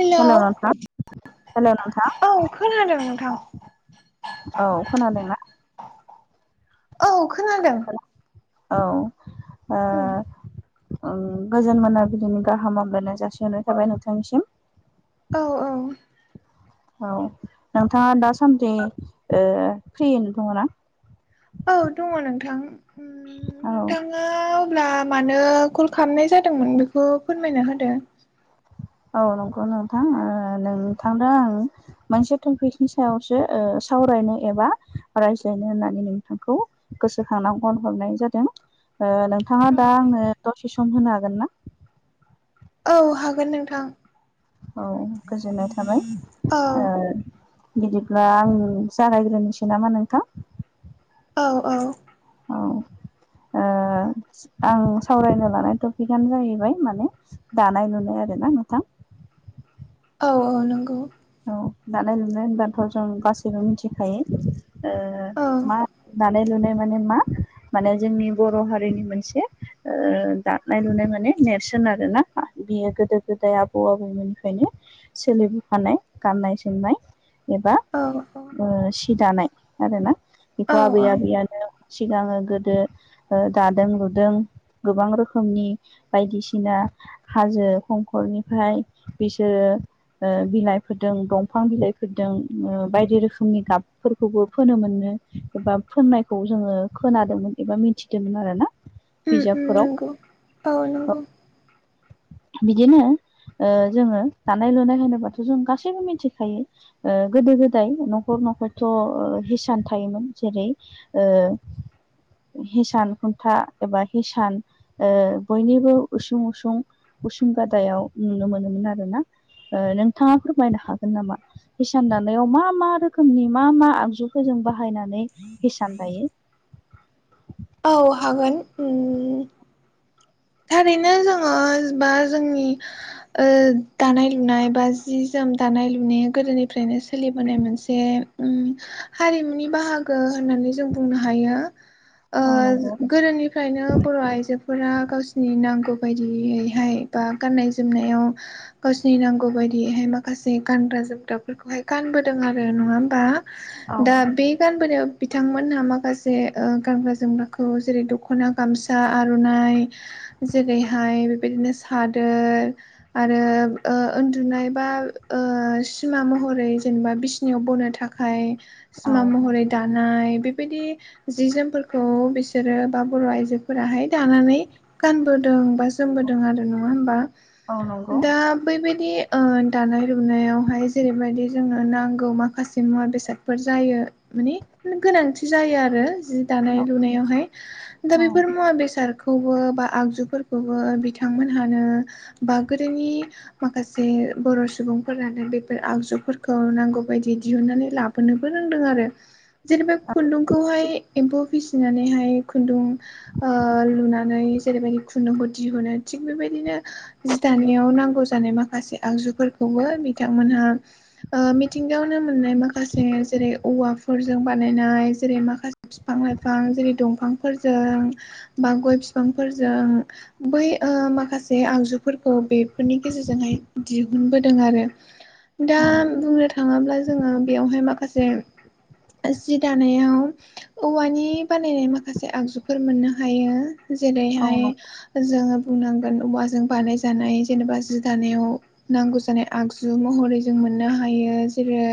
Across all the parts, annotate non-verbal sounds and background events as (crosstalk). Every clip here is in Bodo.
हेलौ हेल' नोंथां हेल' नोंथां औ खोनादों नोंथां औ खोनादोंना औ खोनादों औ आ उम गोजोन मोनाबिलिनि गाहाम हामलायनाय जासिहरनाय थाबाय नोंथांनिसिम औ औ औ नोंथाङा दासानदि फ्रियैनो दङ ना औ दङ नोंथां औ नोंथां ना अब्ला मानो कल खालामनाय जादोंमोन बेखौ फोरमायना होदो औ नंगौ नोंथां नोंथांदो आं मोनसे टपिकनि सायावसो सावरायनो एबा रायज्लायनो होननानै नोंथांखौ गोसोखांना फन हरनाय जादों नोंथाङा औ दा आंनो दसे सम होनो हागोन ना औ हागोन नोंथां औ गोजोननाय थाबाय औ बिदिब्ला आं जागायग्रोनोसै नामा नोंथां औ औ औ आं सावरायनो लानाय टपिकआनो जाहैबाय माने दानाय लुनाय आरो ना नोंथां औ औ नंगौ औ दानाय लुनाय होनबाथ' जों गासैबो मिथिखायो औ मा दानाय लुनाय माने मा माने जोंनि बर' हारिनि मोनसे दानाय लुनाय माने नेरसोन आरोना बियो गोदो गोदाय आबौ आबैमोननिफ्रायनो सोलिबोखानाय गाननाय जोमनाय एबा औ औ ओ सि दानाय आरोना औ बेखौ आबै औ आबैयानो सिगाङो गोदो दादों लुदों गोबां रोखोमनि बायदिसिना हाजो हंखरनिफ्राय बिसोरो बिलाइ फोरोदों दंफां बिलाइफोरदों बायदि रोखोमनि गाबफोरखौबो फोनो मोनदों। एबा फोननायखौ जोङो खोनादोंमोन एबा मिथिदोंमोन आरो ना। उम उम नंगौ बिजाबफोराव औ बिदिनो जोङो दानाय लुनाय होनोबाथ' जों गा सैबो मिथिखायो। गोदो गोदाय न'खर न'खरथ' हिसान थायोमोन जेरै ओ हिसान खुन्था एबा हिसान ओ बयनिबो उसुं उसुं उसुं गादायाव नुनो मोनोमोन आरो ना नोंथाङा फोरमायनो हागोन नामा हिसान दानायाव मा मा रोखोमनि मा मा आगजुफोरजों बाहायनानै हिसान दायो? औ हागोन थारैनो जोङो बा जोंनि दानाय लुनाय बा जि जोम दानाय लुनाय गोदोनिफ्रायनो सोलिबोनाय मोनसे हारिमुनि बाहागो होननानै जों बुंनो हायो औ नंगौ गोदोनिफ्रायनो बर' आइजोफोरा गाव नि नांगौ बायदियैहाय बा गाननाय जोमनायाव गावसिोरनि नांगौ बायदियैहाय माखासे गानग्रा जोमग्राफोरखौहाय गानबोदों आरो नङा होमबा? औ दा बे गानबोनायाव बिथांमोनहा माखासे गानग्रा जोमग्राखौ जेरै दख'ना गामसा आर'नाइ जेरैहाय बेबायदिनो सादोर आरो उन्दुनाय बा सिमा महरै जेनेबा बिसिनाययाव बनो थाखाय थाखाय औ सिमा महरै दानाय बेबायदि जि जोमफोरखौ बिसोरो बा बर' आइजोफोराहाय दानानै गानबोदों बा जोमबोदों आरो नङा होमबा औ नंगौ दा बैबायदि दानाय लुनायावहाय जेरैबायदि जोंनो नांगौ माखासे मुवा बेसाद बेफोर जायो मान गोनांथि जायो आरो। जि दानाय औ लुनायावहाय दा औ बेफोर मुवा बेसादखौबो बा आगजुफोरखौबो बिथांमोनहानो बा गोदोनि माखासे बर' सुबुंफोरानो बेफोर आगजुफोरखौ नांगौ बायदि दिहुननानै लाबो फोरनोबो रोंदों आरो जेनेबा खुन्दुंखौहाय एम्फौ फिसिनानैहाय खुन्दुं लुनानै जेरैबायदि खुन्दुंखौ दिहुनो। थिग बेबायदिनो जि दानायाव नांगौ जानाय माखासे आगजुफोरखौबो बिथांमोनहा मिथिंगायावनो मोननाय माखासे जेरै औवाफोरजों बानायनाय जेरै माखासे बिफां लाइफां जेरै दंफांफोरजों बा गय बिफांफोरजों बै माखासे आगजुफोरखौ बेफोरनि गेजेरजोंहाय दिहुनबोदों आरो। (unintelligible) दा बुंनो थाङोब्ला जोङो बेयावहाय माखासे जि दानायाव औवानि बानायनाय माखासे आगजुफोर मोननो हायो। औ जेरैहाय नंगौ जोङो बुंनांगोन औवाजों बानायजानाय जेनेबा जि दानायाव नांगौ जानाय आगजु महरै जों मोननो हायो। जेरै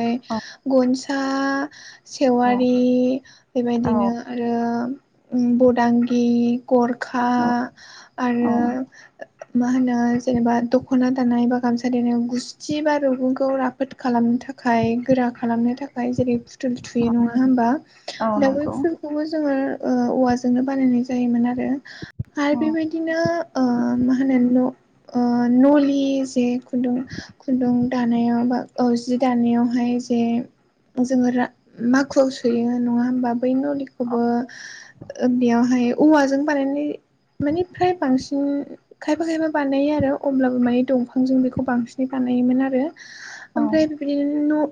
गनसा औ सेवारि औ बेबायदिनो आरो बदांगि गर खा औ औ आरो मा होनो जेनेबा दख'ना दानाय बा गामसा देनाय गुस्थि बा रुगुंखौ रा खाफोद खालामनो थाखाय गोरा खालामनो थाखाय जेरै फुथुल थुयो नङा होमबा औ दा बे नंगौ फुलखौबो जोङो औवाजोंनो बानायनाय जायोमोन आरो औ आरो बेबायदिनो मा होननानैल' ओ न'लि जे खुन्दुं खुन्दुं दानायाव बा जि दानायावहाय जे जोङो माखुआव सोयो नङा होमबा बै नलिखौबो बेयावहाय औवाजों बानायनाय माने फ्राय बांसिन खायफा खायफा बानायो आरो अब्लाबो माने दंफांजों बेखौ बांसिनै बानायोमोन आरो औ ओमफ्राय बिदिनो न'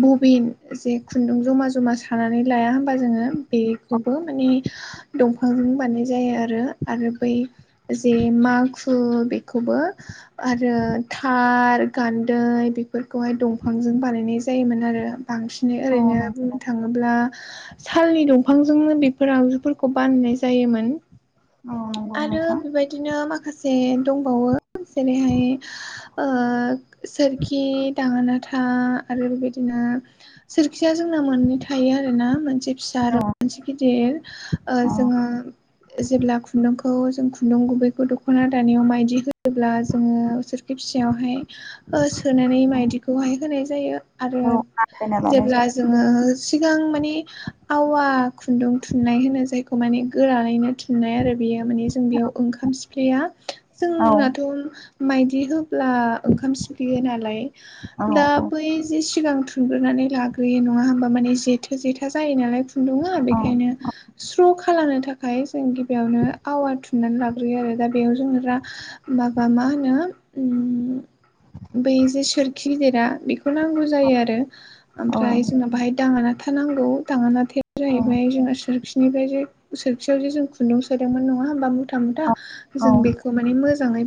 बबिन जे खुन्दुं जमा जमा सानानै लाया होमबा जोङो बेखौबो माने दंफां बानाय जायो आरो आरो बै जे माखु बेखौबो आरो थार गान्दै बेफोरखौहाय दंफांजों बानायनाय जायोमोन आरो बांसिनै औ नं ओरैनो थाङोब्ला सालनि दंफांनो बेफोर आगजुफोरखौ बानायनाय जायोमोन औ नंगौ आरो नोंथां बेबायदिनो माखासे जे दंबावो जेरैहाय सोरखि दाङोनाथा आरो बेबायदिनो सोरखिया जोंना मोननै थायो आरो ना मोनसे फिसा औ आरो मोनसे गिदिर औ जोङो जेब्ला खुन्दुंखौ जों खुन्दुं गुबैखौ दख'ना दानायाव मायदि होयोब्ला जोङो सोर फिसायावहाय सोनानै माइदिखौहाय होनाय जायो आरो औ आथायना लानाय जेब्ला जोङो सिगां माने आवा खुन्दुं थुननाय होनो जायखौ खौ माने गोरानैनो थुननाय आरो बेयो माने जों बेयाव ओंखाम सिफ्लेया जायो औ जोंनाथ' माइदि होब्ला ओंखाम सिफलियो नालाय औ दा औ बै जि सिगां थुनग्रोनानै लाग्रोयो नङा होमबा माने जेथो जेथा जायो नालाय खुन्दुङा बेखायनो (inaudible) स्र खालामनो थाखाय जों गिबियावनो आवार थुननानै लाग्रोयो आरो दा बेयाव जों दा माबा मा होनो बै जे सोरखि गिदिरा बेखौ नांगौ जायो आरो औ ओमफ्राय जोंना बाहाय दाङा नाथा नांगौ दाङा नाथाया औ जाहैबाय जोंहा सोरखि बिनिफ्राय जे सोरखियाव जे जों खुन्दुं सोदोंमोन नङा होमबा मुथा मुथा औ जों बेखौ माने मोजाङै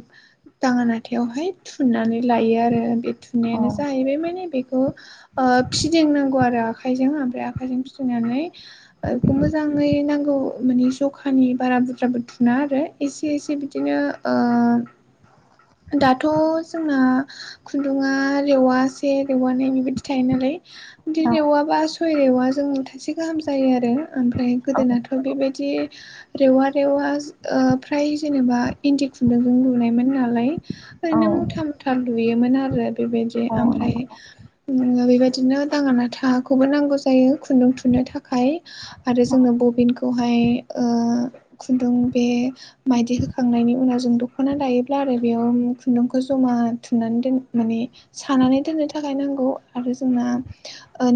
दाङा हाथायावहाय थुननानै लायो आरो बे थुननायानो औ जाहैबाय माने बेखौ फिदिंनांगौ आरो आखायजों ओमफ्राय आखाइजों फिदिंनानै बेखौ मोजां मोजाङै नांगौ माने जखानि बारा बुद्रा बुथुना आरो एसे एसे बिदिनो औ दाथ' जोंना खुन्दुङा रेवासे रेवानै बेबायदि थायो नालाय बिदि एवाबा सय एवा जों थाइसे गाहाम जायो आरो ओमफ्राय गोदोनाथ' बेबायदि रेवा रेवा फ्राय जेनेबा इन्दि खुन्दुंजों लुनायमोन नालाय औ ओरैनो मुथा मुथा लुयोमोन आरो बेबायदि औ ओमफ्राय नंगौ बेबायदिनो दाङा नाथाखौबो नांगौ जायो खुन्दुं थुननो थाखाय आरो जोंनो बबिनखौहाय खुन्दुं बे माइदि होखांनायनि उनाव जों दख'ना लायोब्ला आरो बेयाव खुन्दुंखौ जमा थुमनानै दोन माने सानानै दोननो थाखाय नांगौ आरो जोंना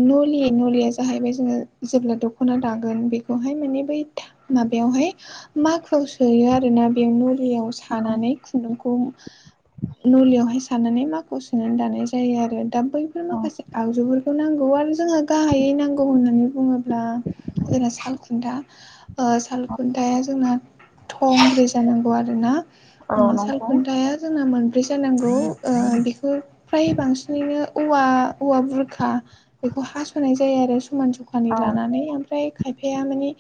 नलि नलिया जाहैबाय जोङो जेब्ला दख'ना दागोन बेखौहाय माने बै माबायावहाय माआव सोयो आरो ना बे नुरियाव सानानै खुन्दुंखौ नलियावहाय सानानै मखौ सोनानै दानाय जायो आरो दा बैफोर औ माखासे आगजुफोरखौ नांगौ आरो जोंहा गाहायै नांगौ होननानै बुङोब्ला जोंना सालखुन्था सालखुन्थाया जोंना थंब्रै जानांगौ आरोना औ नंगौ सालखथा हाया जोंना मोनब्रै जानांगौ बेखौ फ्राय बांसिनैनो औवा औवा बुरखा बेखौ हास'नाय जायो आरो समान समान औ फानि लानानै ओमफ्राय खायफाया मानिे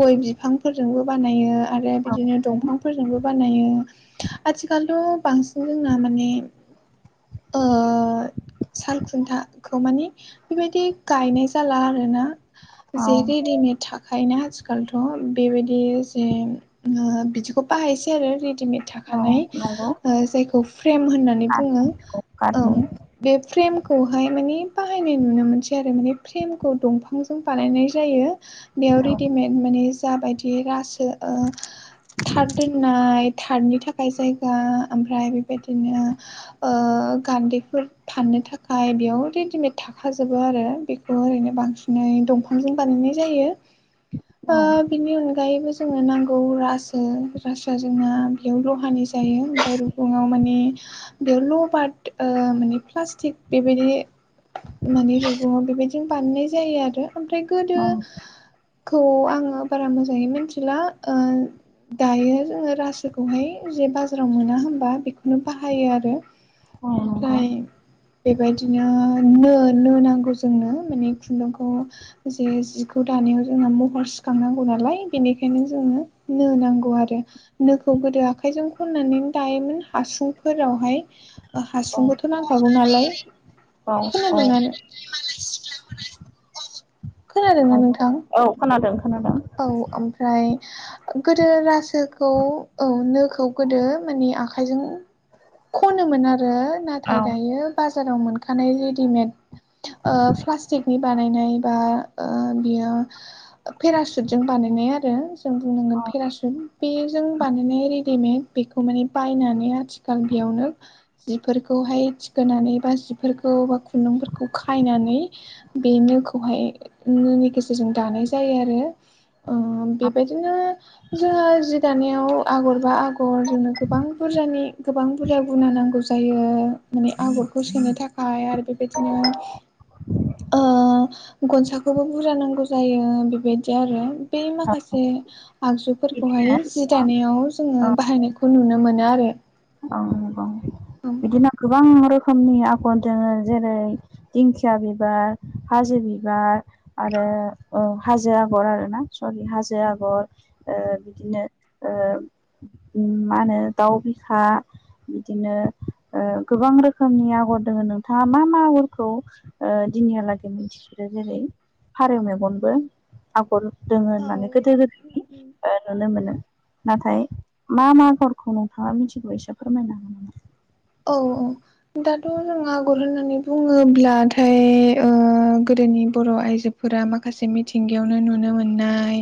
गय बिफांफोरजोंबो बानायो आरो बिदिनो दंफांफोरजोंबो बानायो आथिखालथ' बांसिन जोंना माने (inaudible) सालखुन्थाखौ माने बेबायदि गायनाय जाला आरोना औ जे औ रै दैिमेड थाखाय ना आथिखालथ' बेबायदि जे बिदिखौ बाहायसै आरो रेडिमेड औ थाखानाय नंगौ जायखौ फ्रेम होननानै नानै काट बुङो औ काटनि बे फ्रेमखौहाय माने बाहायनाय नुनो मोनसै आरो माने फ्रेमखौ दंफांजों बानायनाय जायो बेयाव औ रेडिमेड माने जाबायदि रासो थार दोननाय थारनि थाखाय जायगा ओमफ्राय बेबायदिनो गान्दैफोर फाननो थाखाय बेयाव रेडिमेड थाखाजोबो आरो बे बेखौ ओरैनो बांसिनै दंफांजों बानायनाय जायो ओम बिनि अनगायैबो जोंङनो नांगौ रासो रासआ जोंना बेयाव लहानि जायो ओमफफ्राय रुगुङाव माने बेयाव लबार्ट माने प्लास्टिक बेबायदि माने रुग'आव बेबायदिनो बानायनाय जायो आरो ओमफ्राय गोदो औ खौ आङो बारा मोजाङै मिथिला दायो जोङो रासोखौहाय जे बाजाराव मोना होनबा बेखौनो बाहायो आरो ओ नंगौ ओमफ्राय बेबायदिनो नो नो नांगौ जोंनो माने खुन्दुंखौ जे जिखौ दानायाव जों महर सिखांनांगौ नालाय बेनिखायनो जोङो नो नांगौ आरो नोखौ गोदो आखाइजों खननानै दायोमोन हासुंफोरावहाय हासुंखौथ' नांखागौ नालाय औफ खोनादोंना खोनादोंना नोंथां औ खोनादों खोनादों औ ओमफ्राय गोदो रासोखौ औ नोखौ गोदो माने आखाइजों खनोमोन आरो नाथाय औ दायो बाजाराव मोनखानाय रेडिमेड प्लास्टिकनि बानायनाय बा बियो पेरा सुटजों बानायनाय आरो जों बुंनांगोन औ पेरा सुट बेजों बानायनाय रेडिमेड बेखौ माने बायनानै आथिखाल बेयावनो जिफोरखौहाय थिखोनानै बा जिफोरखौ बा खुन्दुंफोरखौ खायनानै बे नोखौहाय नोनि गेजेरजों दानाय जायो आरो (unintelligible) बेबायदिनो जोङो जि दानायाव आगर बा आगर जोंनो गोबां बुरजानि गोबां बुरजा गुना नांगौ ज जायो माने आगरखौ सोनो थाखाय आरो बेबायदिनो गनसाखौबो बुरजा नांगौ जायो बेबायदि बिदि आरो बे माखासे आगजुफोरखौहाय बिदिनो जि दानायाव जोङो बाहायनायखौ नुनो मोनो आरो औ औ बिदिनो गोबां रोखोमनि आगर दोङो जेरै दिंखिया बिबार हाजो बिबार आरो हाजो आगर आरोना सरि हाजो आगर बिदिनो मा होनो दाउ बिखा बिदिनो गोबां रोखोमनि आगर दङ नोंथाङा मा मा आगरखौ दिनियालागै मिथिखोरो जेरै फारौ मेगनबो आगर दोङो औ औ। होननानै गोदो गोदायनि नुनो मोनो नाथाय मा मा गरखौ नोंथाङा मिथिगौ एसे फोरमायना होनो नामा? औ औ दाथ' जों आगर होननानै बुङोब्लाथाय गोदोनि बर' आइजो फोर माखासे मिथिंगायावनो नुनो मोननाय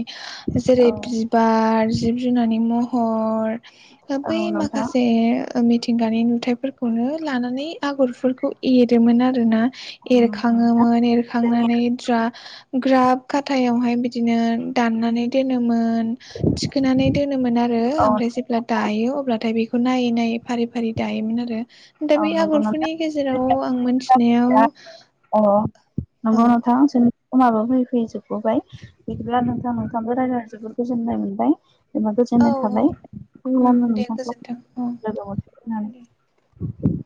जेरै नामा? औ बिबार जिब जुनारनि महर औ बै नोंथां माखासे मिथिंगानि नुथाय फोरखौनो लानानै आगरफोरखौ एरोमोन आरोना। औ नंगौ नोंथां एरखाङोमोन जोंनिया एरखांनानै द्रा ग्राब खाथायावहाय बिदिनो दाननानै दोनोमोन थिखोनानै दोनोमोन आरो औ ओमफ्राय नोंथां जेब्ला दायो अब्लाथाय बेखौ बे खौ नायै नायै फारि फारि दायोमोन आरो दा औ बे नंगौ नोंथां आगरफोरनि गेजेराव जोंनिया आं मोनथि अ औ नंगौ नोंथां सोर अबो फै फैजोबबोबाय बिदिब्ला नोंथां नोंथाङाबो रायज्लायनानै जोबद गोजोननाय मोनबाय। जेनबा औ गोजोननाय थाबाय उम दे नोंथांखौ गोजोन्थों औ लोगो। दे (inaudible)